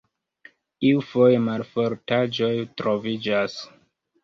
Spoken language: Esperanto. Iufoje malfortaĵoj troviĝas.